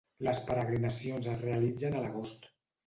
Les peregrinacions es realitzen a l'agost.